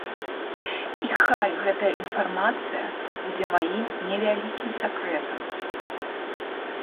І хай гэтая інфармацыя будзе маім невялікім сакрэтам.